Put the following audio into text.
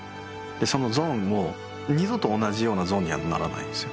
そのゾーンも二度と同じようなゾーンにはならないんですよ